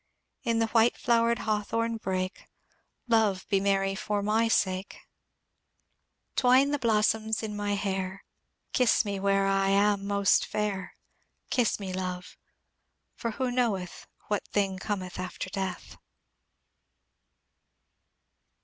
In the white flowered hawthorn hrake, Loye, be merry for my sake; 372 MONCURE DANIEL CONWAY Twine the blossoms in my hair, Kiss me where I am most fair: Kiss me, love I for who knoweth What thing oometh after death